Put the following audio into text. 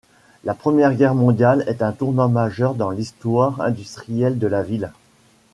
La Première Guerre mondiale est un tournant majeur dans l'histoire industrielle de la ville.